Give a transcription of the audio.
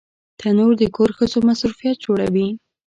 تنور د کور ښځو مصروفیت جوړوي